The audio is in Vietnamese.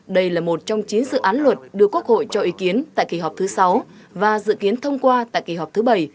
đây là một trong chín dự án luật đưa quốc hội cho ý kiến tại kỳ họp thứ sáu và dự kiến thông qua tại kỳ họp thứ bảy